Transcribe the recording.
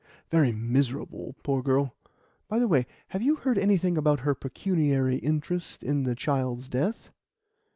"Very miserable, poor girl. By the way, have you heard anything about her pecuniary interest in the child's death?"